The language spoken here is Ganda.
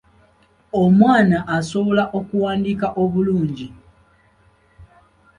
Omwana asobola okuwandiika obulungi.